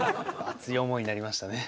熱い思いになりましたね。